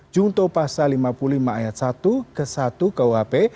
jungto pasal lima puluh lima ayat satu ke satu kuhp